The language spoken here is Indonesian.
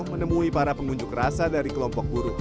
menemui para pengunjuk rasa dari kelompok buruh